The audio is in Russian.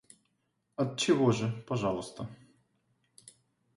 Отчего же, пожалуйста.